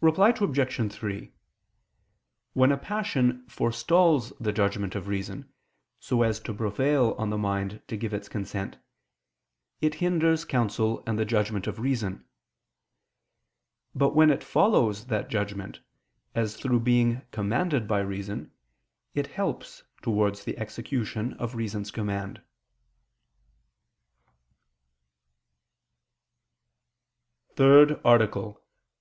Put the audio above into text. Reply Obj. 3: When a passion forestalls the judgment of reason, so as to prevail on the mind to give its consent, it hinders counsel and the judgment of reason. But when it follows that judgment, as through being commanded by reason, it helps towards the execution of reason's command. ________________________ THIRD ARTICLE [I II, Q.